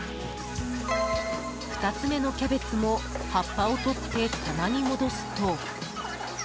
２つ目のキャベツも葉っぱを取って棚に戻すと。